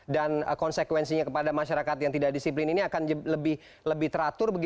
dan konsekuensinya kepada masyarakat yang tidak disiplin ini akan lebih teratur